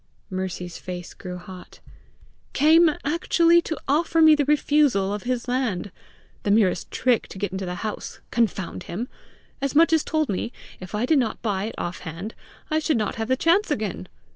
Mercy's face grew hot. " Came actually to offer me the refusal of his land! the merest trick to get into the house confound him! As much as told me, if I did not buy it off hand, I should not have the chance again!